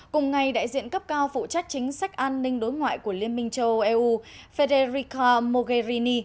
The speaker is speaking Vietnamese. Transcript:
cùng ngày đại diện cấp cao phụ trách chính sách an ninh đối ngoại của liên minh châu âu eu federica mogherini